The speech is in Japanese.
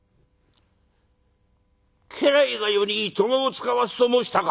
「家来が余にいとまを遣わすと申したか？」。